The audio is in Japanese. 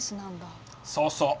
そうそう。